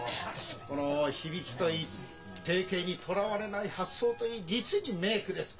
この響きといい定型にとらわれない発想といい実に名句です！